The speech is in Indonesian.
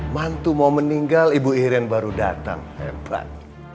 mantu mau meninggal ibu irin baru datang hebat